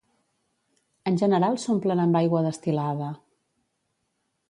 En general s'omplen amb aigua destil·lada.